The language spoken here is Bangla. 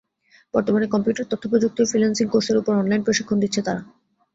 বর্তমানে কম্পিউটার, তথ্যপ্রযুক্তি ও ফ্রিল্যান্সিং কোর্সের ওপর অনলাইন প্রশিক্ষণ দিচ্ছে তারা।